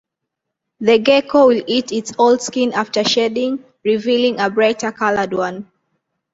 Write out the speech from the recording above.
The gecko will eat its old skin after shedding, revealing a brighter colored one.